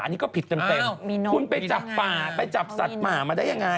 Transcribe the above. อันนี้ก็ผิดเต็มคุณไปจับป่าไปจับสัตว์ป่ามาได้ยังไง